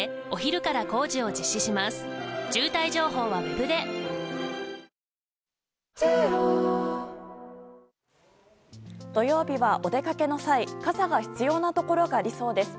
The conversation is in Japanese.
ゴールデンウィーク後半は土曜日は、お出かけの際傘が必要なところがありそうです。